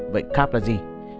vậy carb là gì